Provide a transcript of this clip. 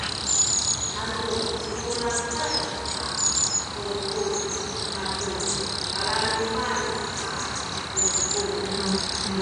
anu limulakay a kungku atu kalaluman a kungku